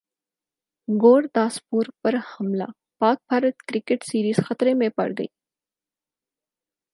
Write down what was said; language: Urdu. گورداسپور پر حملہ پاک بھارت کرکٹ سیریز خطرے میں پڑگئی